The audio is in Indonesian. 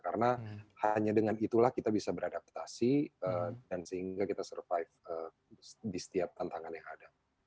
karena hanya dengan itulah kita bisa beradaptasi dan sehingga kita bertahan di setiap tantangan yang ada